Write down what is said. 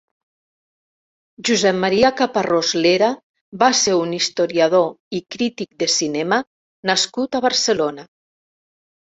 Josep Maria Caparrós Lera va ser un historiador i crític de cinema nascut a Barcelona.